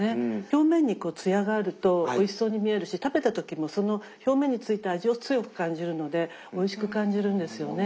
表面に艶があるとおいしそうに見えるし食べた時もその表面についた味を強く感じるのでおいしく感じるんですよね。